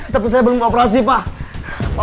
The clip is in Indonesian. tapi saya belum operasi pak